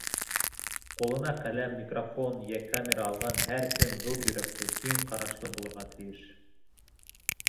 Ҡулына ҡәләм, микрофон йә камера алған һәр кем ҙур йөрәкле, киң ҡарашлы булырға тейеш.